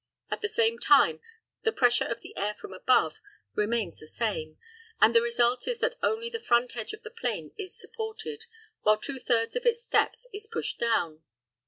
At the same time, the pressure of the air from above remains the same, and the result is that only the front edge of the plane is supported, while two thirds of its depth is pushed down.